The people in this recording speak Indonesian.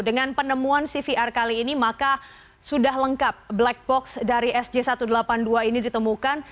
dengan penemuan cvr kali ini maka sudah lengkap black box dari sj satu ratus delapan puluh dua ini ditemukan